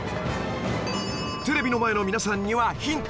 テレビの前の皆さんにはヒント